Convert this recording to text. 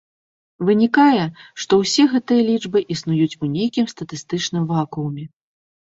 Вынікае, што ўсе гэтыя лічбы існуюць у нейкім статыстычным вакууме.